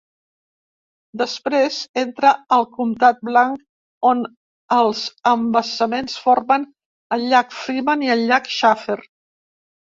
Després entra al comtat blanc, on els embassaments formen el llac Freeman i el llac Shafer.